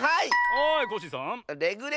はいコッシーさん。